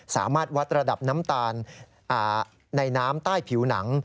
สามารถวัดระดับน้ำตาลในน้ำใต้ผิวหนัง